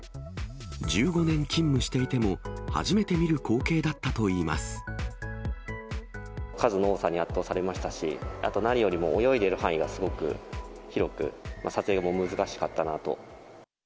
１５年勤務していても、数の多さに圧倒されましたし、あと何よりも泳いでいる範囲がすごく広く、撮影も難しかったなと。